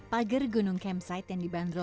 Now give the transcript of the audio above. pager gunung campsite yang dibanderolkan